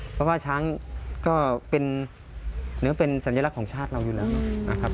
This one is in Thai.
เพราะว่าช้างก็เป็นสัญลักษณ์ของชาติเราอยู่แล้ว